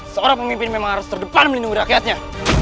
seorang pemimpin memang harus terdepan melindungi rakyatnya